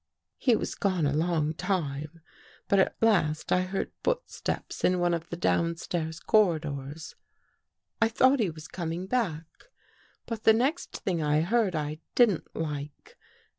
" He was gone a long time, but at last I heard footsteps in one of the downstairs corridors. I thought he was coming back. But the next thing I heard I didn't like.